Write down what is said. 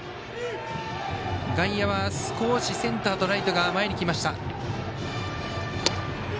外野は少しセンターとライトが前に来ました。